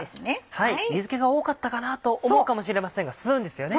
水気が多かったかなと思うかもしれませんが吸うんですよね。